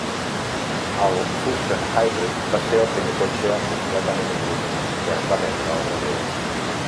El Fusion Hybrid va ser el primer cotxe completament híbrid que es va vendre el Brasil.